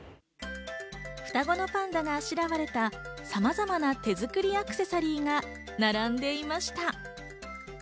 双子のパンダがあしらわれたさまざまな手づくりアクセサリーが並んでいました。